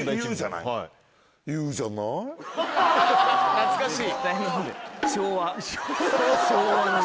懐かしい。